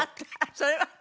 それはね